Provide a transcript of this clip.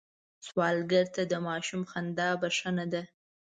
سوالګر ته د ماشوم خندا بښنه ده